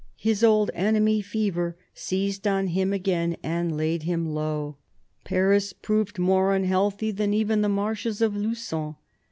His old enemy, fever, seized on him again and laid him low : Paris proved more unhealthy than even the marshes of Lugon.